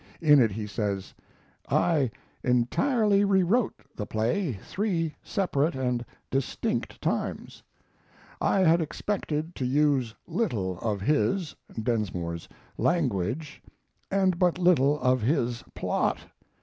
In it he says: I entirely rewrote the play three separate and distinct times. I had expected to use little of his [Densmore's] language and but little of his plot.